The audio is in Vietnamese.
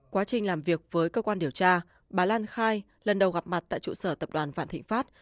quá trình làm việc với cơ quan điều tra bà lan khai lần đầu gặp mặt tại trụ sở tập đoàn vạn thịnh pháp